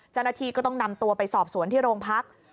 เจ้าหน้าที่ก็ต้องนำตัวไปสอบสวนที่โรงพัก